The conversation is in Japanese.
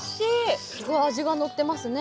すごい味がのってますね。